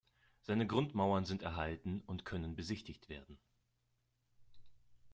Seine Grundmauern sind erhalten und können besichtigt werden.